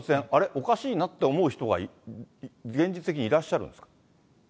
おかしいなって思う人が現実的にいらっしゃるんですか？